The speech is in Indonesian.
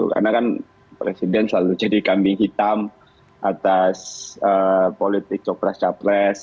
karena kan presiden selalu jadi kambing hitam atas politik copres capres